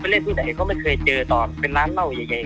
เล่นที่ไหนเขาไม่เคยเจอตอนเป็นร้านเหล้าใหญ่